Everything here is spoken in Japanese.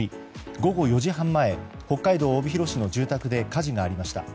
午後４時半前北海道帯広市の住宅で火事がありました。